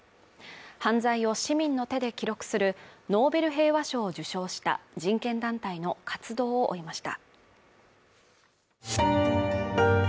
犯罪を市民の手で記録するノーベル平和賞を受賞した人権団体の活動を終えました。